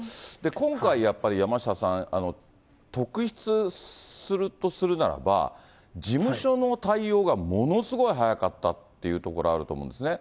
今回やっぱり、山下さん、特筆するとするならば、事務所の対応がものすごい早かったっていうところ、あると思うんですね。